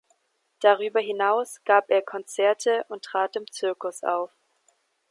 Darüber hinaus gab er Konzerte und trat im Zirkus auf.